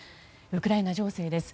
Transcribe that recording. ウクライナ情勢です。